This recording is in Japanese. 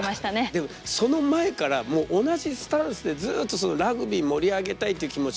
でもその前からもう同じスタンスでずっとラグビー盛り上げたいっていう気持ちで。